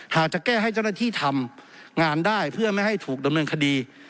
จะแก้ให้เจ้าหน้าที่ทำงานได้เพื่อไม่ให้ถูกดำเนินคดี